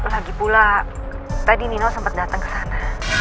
lagi pula tadi nino sempet dateng ke sana